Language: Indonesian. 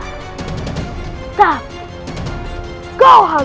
dan ketika kamumegilgupi hutang